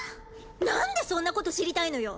何でそんなこと知りたいのよ